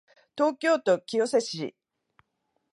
東京都清瀬市